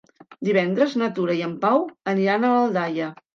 Divendres na Tura i en Pau aniran a Aldaia.